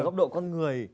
góc độ con người